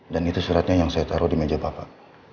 dan itu suratnya yang saya taruh di meja bapak